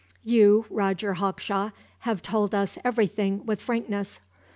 "You, Roger Hawkshaw, have told us everything with frankness.